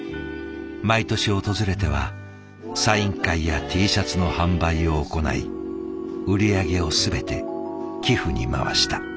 毎年訪れてはサイン会やＴシャツの販売を行い売り上げを全て寄付に回した。